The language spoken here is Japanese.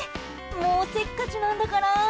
もう、せっかちなんだから。